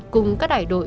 cùng các đại đội